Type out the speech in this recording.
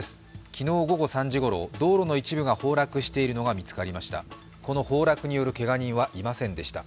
昨日午後３時ごろ、道路の一部が崩落しているのが見つかりました。